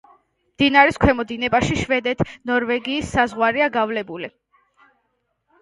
მდინარის ქვემო დინებაში შვედეთ-ნორვეგიის საზღვარია გავლებული.